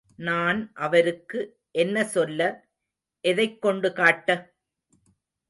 நான் அவருக்கு என்ன சொல்ல, எதைக் கொண்டு காட்ட?